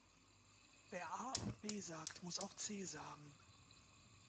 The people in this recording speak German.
Wer A und B sagt, muss auch C sagen.